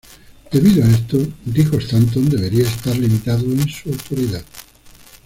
Debido a esto, dijo Stanton, debería estar limitado en su autoridad.